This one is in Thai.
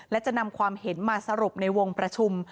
และจะนำความเห็นมาสรุปในวงประชุม